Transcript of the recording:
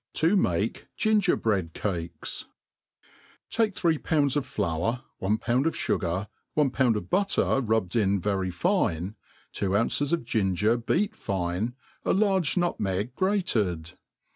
To mate Gmger^Bread Cakes* TAKE three pounds of flour, one pound of fugar, one pound of butter rubbed in very fine, two ounces of ginger beat fine, a large nutmeg grated.